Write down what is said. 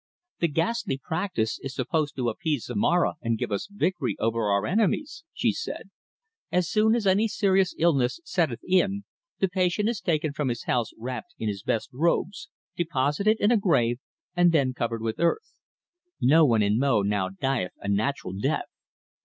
"The ghastly practice is supposed to appease Zomara and give us victory over our enemies," she said. "As soon as any serious illness setteth in, the patient is taken from his house wrapped in his best robes, deposited in a grave and then covered with earth. No one in Mo now dieth a natural death.